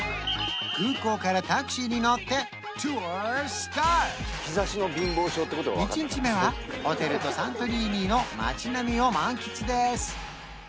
空港からタクシーに乗って１日目はホテルとサントリーニの街並みを満喫です